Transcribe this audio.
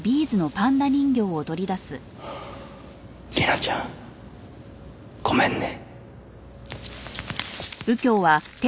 莉奈ちゃんごめんね。